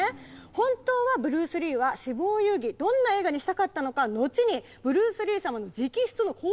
本当はブルース・リーは「死亡遊戯」どんな映画にしたかったのか後にブルース・リー様の直筆の構想メモが見つかったんです。